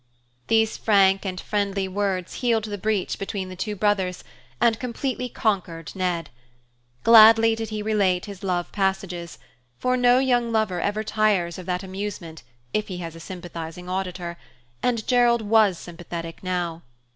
These frank and friendly words healed the breach between the two brothers and completely conquered Ned. Gladly did he relate his love passages, for no young lover ever tires of that amusement if he has a sympathizing auditor, and Gerald was sympathetic now.